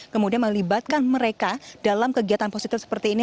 kemudian melibatkan mereka dalam kegiatan positif seperti ini